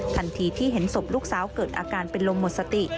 ทันทีที่เห็นศพลูกสาวเกิดอาการเป็นลมหมดสติ